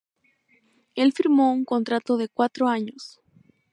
Él firmó un contrato de cuatro años.